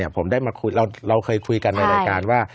ผมได้มาคุยเราเคยคุยกันในรายการว่า